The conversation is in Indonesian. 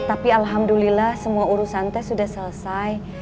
tapi alhamdulillah semua urusan tes sudah selesai